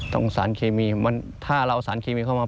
สารเคมีถ้าเราเอาสารเคมีเข้ามา